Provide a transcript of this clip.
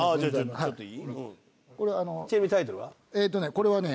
これはね